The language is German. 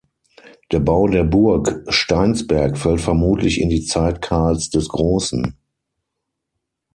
Der Bau der Burg Steinsberg fällt vermutlich in die Zeit Karls des Grossen.